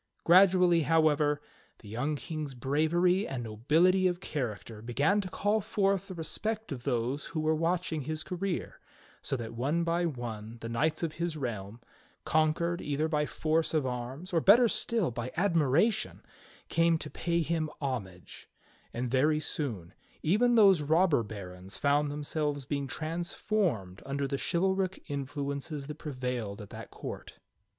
Gradually, however, the young King's bravery and nobility of character began to call forth the respect of those who were watching his career, so that one by one the knights of his realm, conquered either by force of arms or better still by admiration, came to pay him homage; and very soon even those robber barons found themselves being transformed under the chivalric influences that prevailed at that court.